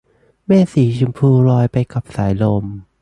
เมฆสีชมพูลอยไปกับสายลม